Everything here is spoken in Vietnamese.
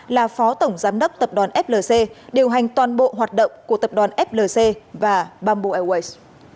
là phó tổng giám đốc tập đoàn flc điều hành toàn bộ hoạt động của tập đoàn flc và bamboo airways